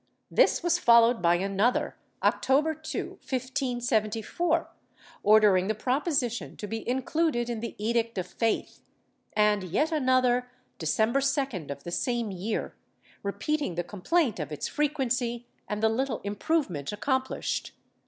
This was followed by another, October 2, 1574, ordering the proposition to be included in the Edict of Faith, and yet another December 2d, of the same year, repeating the complaint of its frequency and the little improvement accomplished.